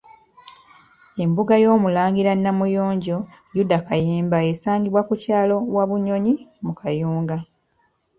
Embuga y'Omulangira Namuyonjo Yuda Kayemba esangibwa ku kyalo Wabunyonyi mu Kayunga.